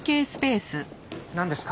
なんですか？